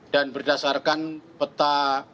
dan berdasarkan peta